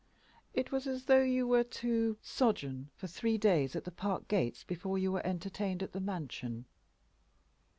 It was as though you were to sojourn for three days at the park gates before you were entertained at the mansion.